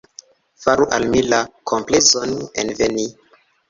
Faru al mi la komplezon enveni.